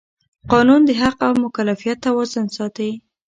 قانون د حق او مکلفیت توازن ساتي.